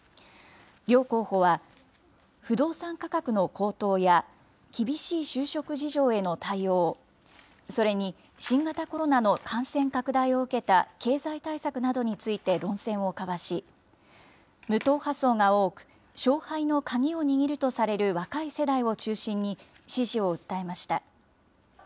両候補は、不動産価格の高騰や厳しい就職事情への対応、それに新型コロナの感染拡大を受けた経済対策などについて論戦を交わし、無党派層が多く勝敗の鍵を握るとされる若い世代を中心に、支持を訴えました。